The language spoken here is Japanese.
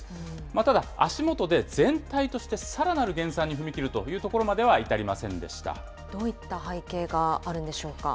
ただ、あしもとで全体としてさらなる減産に踏み切るというところまではどういった背景があるんでし